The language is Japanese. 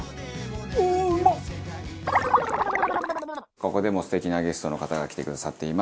ここでも素敵なゲストの方が来てくださっています。